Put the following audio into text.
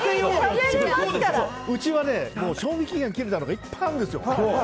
うちは賞味期限切れたのいっぱいあるんですよ。